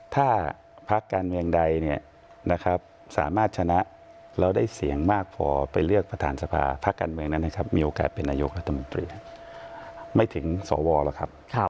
ถ้าพรรคการเมืองใดสามารถชนะแล้วได้เสียงมากพอไปเลือกประธานสภาพรรคการเมืองนั้นมีโอกาสเป็นอายุกธรรมปริยะไม่ถึงสวรรค์หรอกครับ